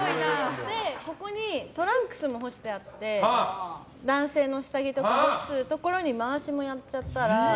ここにトランクスも干してあって男性の下着とか干しているところにまわしもやっちゃったら。